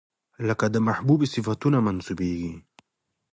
که د محبوبې صفتونه منسوبېږي،